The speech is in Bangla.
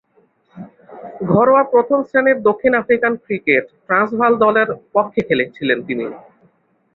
ঘরোয়া প্রথম-শ্রেণীর দক্ষিণ আফ্রিকান ক্রিকেটে ট্রান্সভাল দলের পক্ষে খেলেছিলেন তিনি।